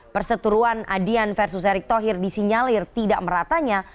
perseturuan adian versus erick thohir disinyalir tidak meratanya